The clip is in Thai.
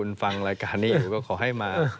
คุณฟังรายการนี้อยู่ก็ขอให้มา